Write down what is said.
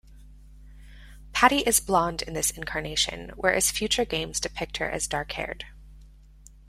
Patti is blond in this incarnation, whereas future games depict her as dark-haired.